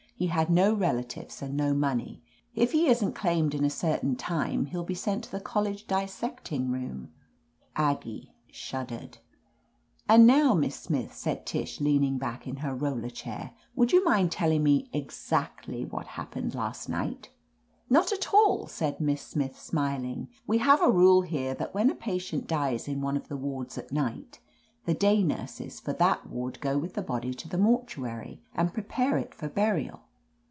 He had no relatives and no money. If he isn't claimed in a certain time, he'll be sent to the college dissecting room " Aggie shuddered "And now, Miss Smith," said Tish, leaning back in her roller chair, "would you mind tell ing me exactly what happened last night ?" "Not at all!" said Miss Smith, smiling. "We have a rule here that when a patient dies in one of the wards at night, the day nurses for that ward go with the body to the mortuary and prepare it for burial.